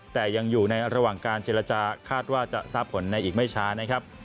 แต่ยังอยู่ในระหว่างการเจรจาคาดว่าจะทราบผลในอีกไม่ช้านะครับ